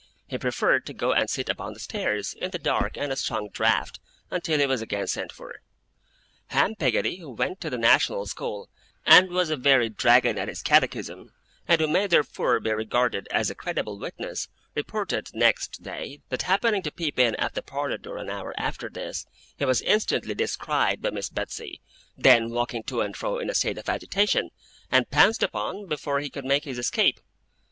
He preferred to go and sit upon the stairs, in the dark and a strong draught, until he was again sent for. Ham Peggotty, who went to the national school, and was a very dragon at his catechism, and who may therefore be regarded as a credible witness, reported next day, that happening to peep in at the parlour door an hour after this, he was instantly descried by Miss Betsey, then walking to and fro in a state of agitation, and pounced upon before he could make his escape.